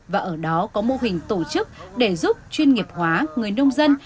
và ở đó có mô hình tổ chức để giúp chuyên nghiệp hóa người nông dân